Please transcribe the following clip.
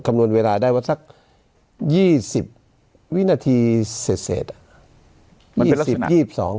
คำนวณเวลาได้ว่าสักยี่สิบวินาทีเศษเศษมันเป็นลักษณะยี่สิบสอง